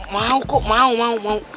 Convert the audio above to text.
mau kok mau mau mau